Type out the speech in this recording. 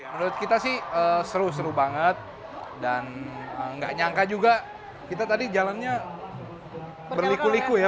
menurut kita sih seru seru banget dan nggak nyangka juga kita tadi jalannya berliku liku ya